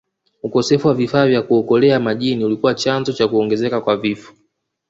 Ukosefu wa vifaa vya kuokolea majini ulikuwa ni chanzo cha kuongezeka kwa vifo